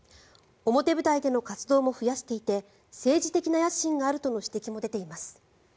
表舞台での活動も増やしていて政治的な野心があるとの指摘も出ています。